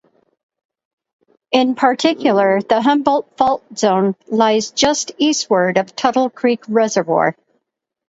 In particular, the Humboldt Fault Zone lies just eastward of Tuttle Creek Reservoir.